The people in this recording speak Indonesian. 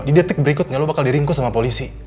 di detik berikutnya lo bakal diringkus sama polisi